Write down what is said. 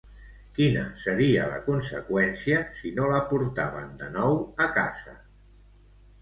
Quina seria la conseqüència si no la portaven de nou a casa?